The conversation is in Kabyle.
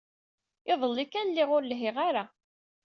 Iḍelli kan lliɣ ur lhiɣ ara.